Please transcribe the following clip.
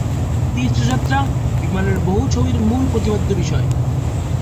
তীর্থযাত্রা, বিমানের বহু ছবির মূল প্রতিপাদ্য বিষয়।